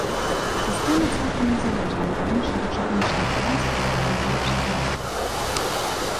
Сістэма цалкам незалежная ад іншага чыгуначнага транспарта або вулічнага руху.